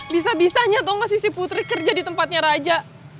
bisa bisanya tuh gak sih si putri kerja di tempatnya raja